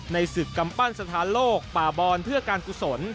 ในศึกกำปั้นสถานโลกป่าบอนเพื่อการกุศล